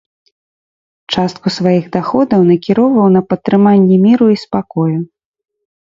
Частку сваіх даходаў накіроўваў на падтрыманне міру і спакою.